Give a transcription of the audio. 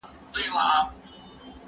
زه به سبا شګه پاکوم!